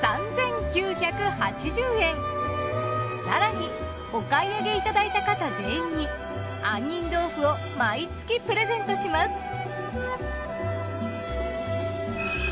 更にお買い上げいただいた方全員に杏仁豆腐を毎月プレゼントします。